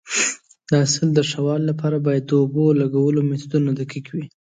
د حاصل د ښه والي لپاره باید د اوبو لګولو میتودونه دقیق وي.